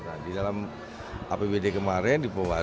nah di dalam apbd kemarin